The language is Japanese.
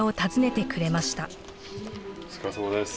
お疲れさまです。